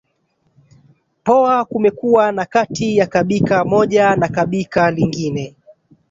Poa kumekuwa na Kati ya kabika moja na kabika lingine